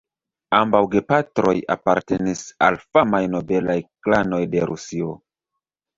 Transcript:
Ambaŭ gepatroj apartenis al famaj nobelaj klanoj de Rusio.